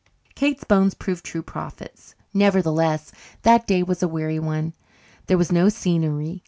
Kate's bones proved true prophets. Nevertheless, that day was a weary one. There was no scenery.